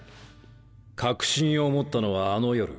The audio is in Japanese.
確信を持ったのはあの夜。